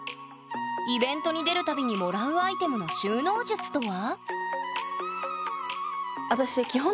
イベントに出る度にもらうアイテムの収納術とは？